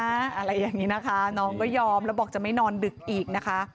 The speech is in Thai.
อะไรอย่างนี้นะคะน้องก็ยอมแล้วบอกจะไม่นอนดึกอีกนะคะ